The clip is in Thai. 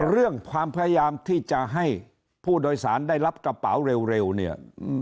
เรื่องความพยายามที่จะให้ผู้โดยสารได้รับกระเป๋าเร็วเนี่ย